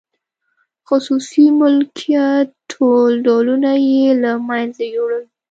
خصوصي مالکیت ټول ډولونه یې له منځه یووړل.